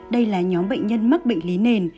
đây là nhóm bệnh nhân mắc bệnh lý nền